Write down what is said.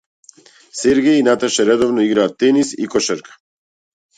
Сергеј и Наташа редовно играат тенис и кошарка.